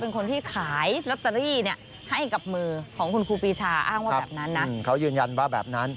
คนที่ขายลอตเตอรี่เนี่ยให้กับมือของคุณครูปีชาอ้างว่าแบบนั้นนะเขายืนยันว่าแบบนั้น